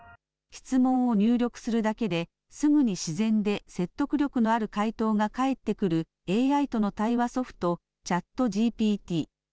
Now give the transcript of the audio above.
質問を入力するだけですぐに自然で説得力のある回答が返ってくるＡＩとの対話ソフト、チャットＧＰＴ。